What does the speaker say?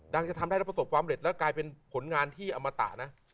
จะทำได้แล้วประสบความเร็จแล้วกลายเป็นผลงานที่อมตะนะ